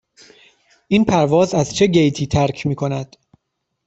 این پرواز از چه گیتی ترک می کند؟